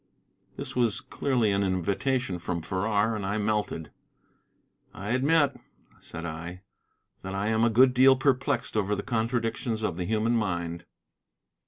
This was clearly an invitation from Farrar, and I melted. "I admit," said I, "that I am a good deal perplexed over the contradictions of the human mind."